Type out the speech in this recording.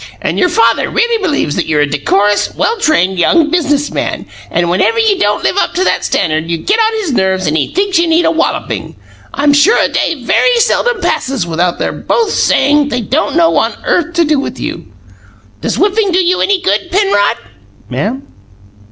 And your father really believes that you're a decorous, well trained young business man, and whenever you don't live up to that standard you get on his nerves and he thinks you need a walloping. I'm sure a day very seldom passes without their both saying they don't know what on earth to do with you. Does whipping do you any good, Penrod?" "Ma'am?"